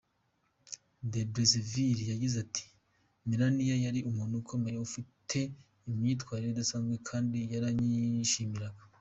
De Basseville yagize ati “Melanie yari umuntu ukomeye ufite imyitwarire idasanzwe kandi yaranyishimiraga.